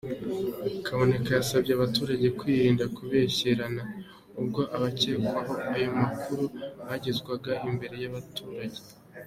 Kaboneka yasabye abaturage kwirinda kubeshyerana, ubwo abakekwaho ayo makuru bagezwaga imbere y’abaturage.